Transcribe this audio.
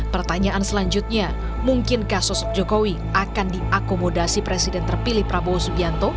pertanyaan selanjutnya mungkin kasus jokowi akan diakomodasi presiden terpilih prabowo subianto